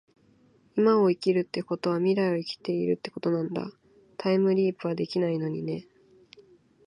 今を生きるってことは未来を生きているってことなんだ。タァイムリィプはできないのにね